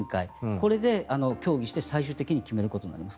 これで協議して最終的に決めることになります。